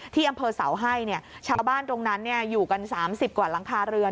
ที่อำเภอเสาให้เนี้ยชาวบ้านตรงนั้นเนี้ยอยู่กันสามสิบกว่าหลังคาเรือน